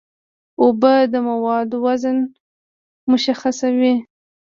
اوبه د موادو وزن مشخصوي.